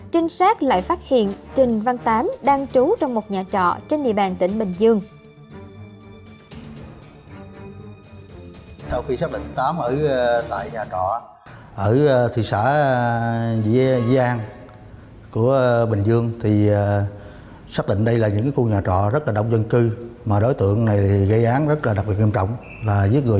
trinh sát lại phát hiện trinh văn tám đang trú trong một nhà trọ trên địa bàn tỉnh bình dương